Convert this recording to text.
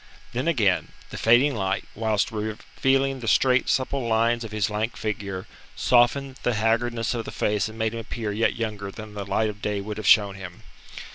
Then, again, the fading light, whilst revealing the straight, supple lines of his lank figure, softened the haggardness of the face and made him appear yet younger than the light of day would have shown him.